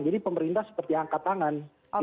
jadi pemerintah seperti angkat tangan